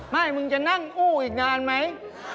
ไม่มึงจะนั่งอู้อีกนานไหม